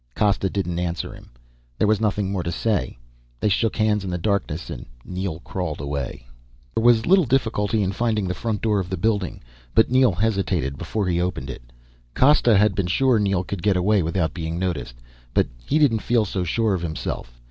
Costa didn't answer him. There was nothing more to say. They shook hands in the darkness and Neel crawled away. There was little difficulty in finding the front door of the building, but Neel hesitated before he opened it. Costa had been sure Neel could get away without being noticed, but he didn't feel so sure himself.